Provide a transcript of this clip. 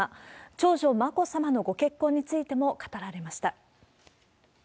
長女、眞子さまのご結婚についても語られました。